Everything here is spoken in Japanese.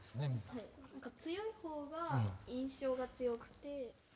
強いほうが印象が強くて。